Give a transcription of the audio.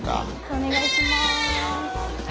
お願いします。